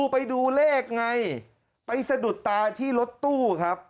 ไปดูเลขไงไปสะดุดตาที่รถตู้ครับ